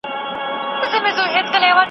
ځینې اسیایی متلونه